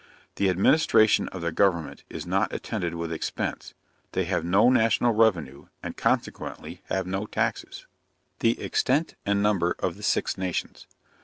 The administration of their government is not attended with expense. They have no national revenue, and consequently have no taxes. THE EXTENT AND NUMBER OF THE SIX NATIONS.